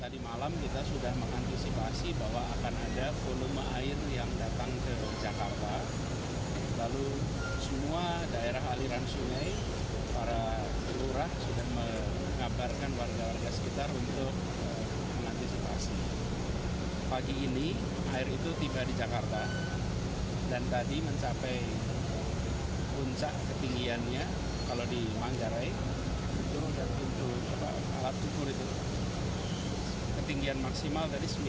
di puncak ketinggiannya kalau di manggarai untuk alat kukur itu ketinggian maksimal tadi sembilan ratus empat puluh cm